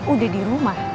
udah di rumah